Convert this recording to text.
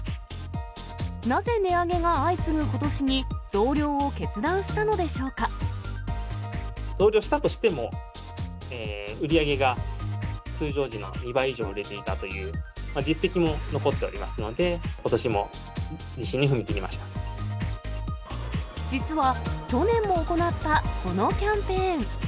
なぜ値上げが相次ぐことしに、増量したとしても、売り上げが通常時の２倍以上売れていたという実績も残っておりますので、実は去年も行ったこのキャンペーン。